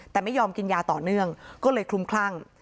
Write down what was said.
แต่ไม่ยอมกินยาต่อเนื่องก็เลยคลุ้มคลั่ง